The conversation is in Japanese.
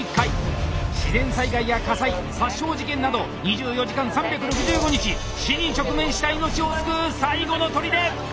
自然災害や火災殺傷事件など２４時間３６５日「死に直面した命を救う」最後のとりで！